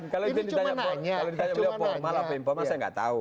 kalau ditanya beliau formal apa informal saya nggak tahu